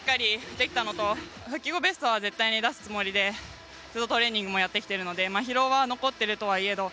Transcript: できたのと復帰後ベストは絶対に出すつもりでずっとトレーニングもやってきているので疲労は残っているとはいえど